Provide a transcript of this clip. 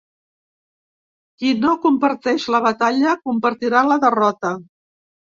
Qui no comparteix la batalla, compartirà la derrota.